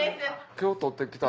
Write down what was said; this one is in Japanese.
今日とって来た。